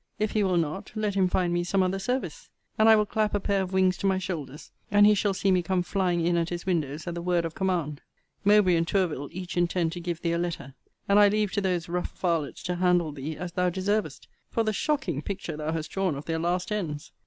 If he will not, let him find me some other service; and I will clap a pair of wings to my shoulders, and he shall see me come flying in at his windows at the word of command. Mowbray and Tourville each intend to give thee a letter; and I leave to those rough varlets to handle thee as thou deservest, for the shocking picture thou hast drawn of their last ends.